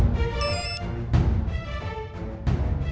nomor siapa sih ini